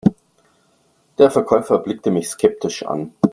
Der Verkäufer blickte mich skeptisch an.